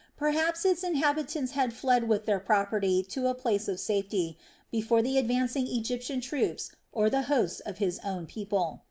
Perhaps its inhabitants had fled with their property to a place of safety before the advancing Egyptian troops or the hosts of his own people.